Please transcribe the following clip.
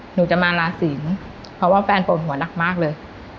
หนูจะมาลาศิลป์เพราะว่าแฟนปวดหัวหนักมากเลย